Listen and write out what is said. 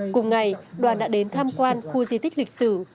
cùng ngày đoàn đã đến tham quan khu di tích lịch sử